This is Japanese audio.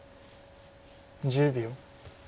１０秒。